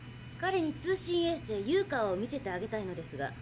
彼に通信衛星ユーカワを見せてあげたいのですが。